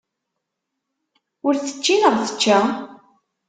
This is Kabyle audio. Ur tečči neɣ tečča?